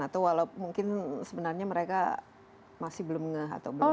atau walau mungkin sebenarnya mereka masih belum ngeh atau belum